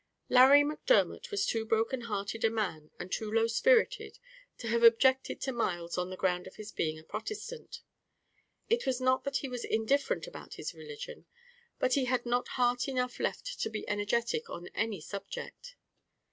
Larry Macdermot was too broken hearted a man, and too low spirited, to have objected to Myles on the ground of his being a Protestant: it was not that he was indifferent about his religion, but he had not heart enough left to be energetic on any subject.